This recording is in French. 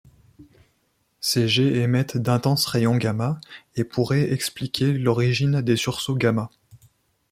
Ces jets émettent d'intenses rayons gamma et pourraient expliquer l'origine des sursauts gamma.